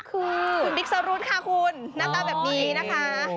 คือคุณบิ๊กสรุธค่ะคุณหน้าตาแบบนี้นะคะ